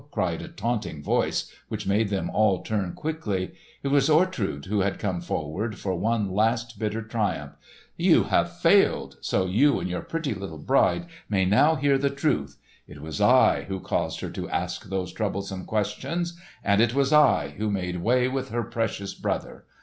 cried a taunting voice which made them all turn quickly. It was Ortrud who had come forward for one last bitter triumph. "You have failed, so you and your pretty little bride may now hear the truth. It was I who caused her to ask those troublesome questions! And it was I who made away with her precious brother!